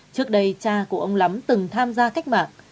trước đây cha của ông lắm từng tham gia cách mạng